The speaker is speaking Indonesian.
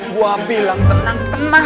gua bilang tenang tenang